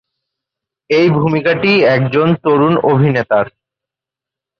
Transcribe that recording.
এই ভূমিকাটি একজন তরুণ অভিনেতার।